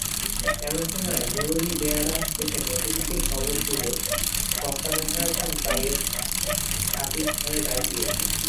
এমন সময় মুরলী বেয়ারা এসে নবীনকে খবর দিলে, কর্তা-মহারাজা বাইরের আপিসঘরে ডাক দিয়েছেন।